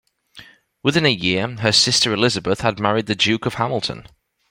Within a year, her sister Elizabeth had married the Duke of Hamilton.